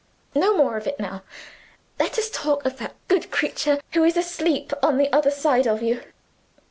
No more of it now! Let us talk of that good creature who is asleep on the other side of you.